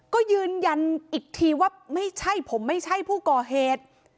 ก็ยืนยันอีกทีว่าไม่ใช่ผมไม่ใช่ผู้ก่อเหตุ